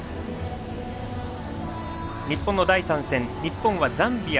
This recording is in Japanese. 日本の第３戦日本はザンビア